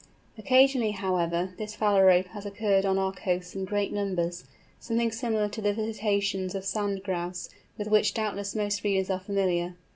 Occasionally, however, this Phalarope has occurred on our coasts in great numbers, something similar to the visitations of Sand Grouse, with which doubtless most readers are familiar.